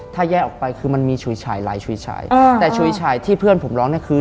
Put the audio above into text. ถ้าแยกออกไปคือมันมีฉุยฉายลายฉุยฉายแต่ฉุยฉายที่เพื่อนผมร้องเนี่ยคือ